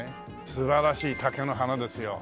素晴らしい竹の花ですよ。